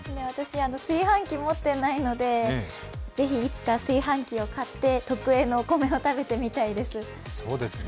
私、炊飯器持ってないのでぜひいつか炊飯器を買って特Ａのお米を食べてみたいです。